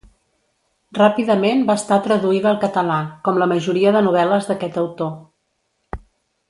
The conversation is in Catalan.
Ràpidament va estar traduïda al català, com la majoria de novel·les d'aquest autor.